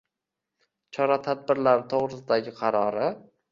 chora-tadbirlari to‘g‘risida”gi qarori.